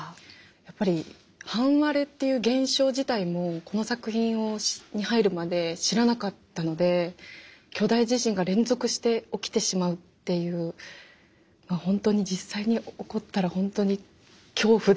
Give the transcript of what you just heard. やっぱり半割れっていう現象自体もこの作品に入るまで知らなかったので巨大地震が連続して起きてしまうっていう本当に実際に起こったら本当に恐怖でしかなくて。